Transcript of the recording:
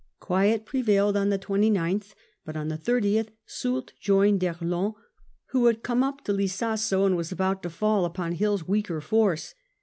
Quiet prevailed on the 29th, but on the 30th Soult joined d'Erlon, who had come up to Lizasso and was about to fall upon Hill's weaker force.